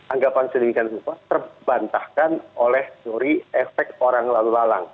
anggapan sedemikian rupa terbantahkan oleh teori efek orang lalu lalang